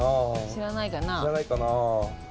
知らないかな。